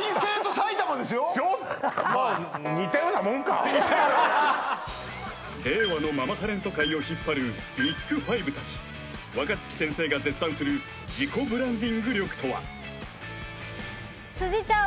まあ令和のママタレント界を引っ張るＢＩＧ５達若槻先生が絶賛する自己ブランディング力とは？